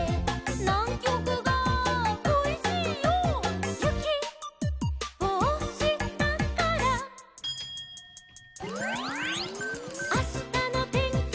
「『ナンキョクがこいしいよ』」「ゆきをおしたから」「あしたのてんきは」